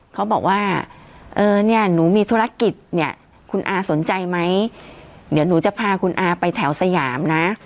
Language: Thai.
เขาบอกว่าเออเนี่ยหนูมีธุรกิจเนี่ยคุณอาสนใจไหมเดี๋ยวหนูจะพาคุณอาไปแถวสยามนะ